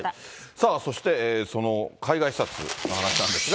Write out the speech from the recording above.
さあ、そして、その海外視察の話なんですが。